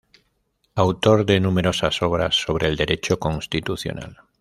Autor de numerosas obras sobre el derecho constitucional.